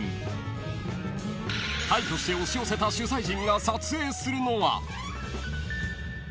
［大挙して押し寄せた取材陣が撮影するのは］